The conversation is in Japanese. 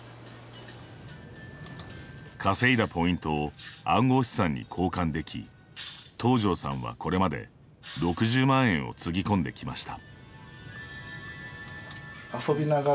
稼いだポイントを暗号資産に交換でき東條さんはこれまで６０万円をつぎ込んできました。